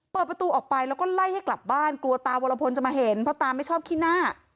เปิดประตูออกไปแล้วก็ไล่ให้กลับบ้านกลัวตาวรพลจะมาเห็นเพราะตาไม่ชอบขี้หน้า